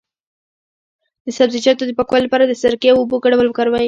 د سبزیجاتو د پاکوالي لپاره د سرکې او اوبو ګډول وکاروئ